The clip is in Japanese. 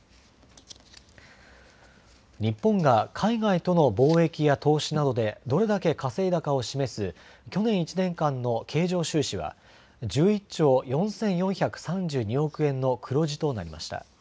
日本が海外との貿易や投資などでどれだけ稼いだかを示す去年１年間の経常収支は１１兆４４３２億円の黒字となりました。